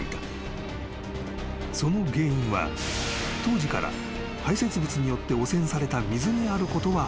［その原因は当時から排せつ物によって汚染された水にあることは判明していた］